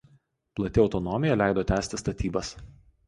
Plati autonomija leido tęsti statybas.